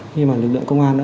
khi mà lực lượng công an